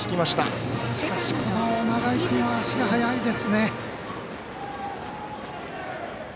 しかし、この永井君は足が速いですね。